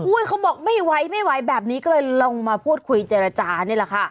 เขาบอกไม่ไหวไม่ไหวแบบนี้ก็เลยลงมาพูดคุยเจรจานี่แหละค่ะ